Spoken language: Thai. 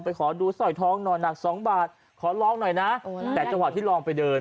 ขอดูสอยทองหน่อยหนักสองบาทขอลองหน่อยนะแต่จังหวะที่ลองไปเดิน